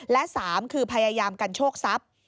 และ๓คือพยายามกันโชคทรัพย์